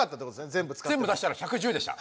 ぜんぶ出したら１１０でした。